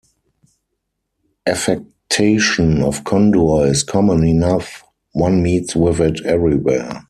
Affectation of candour is common enough — one meets with it everywhere.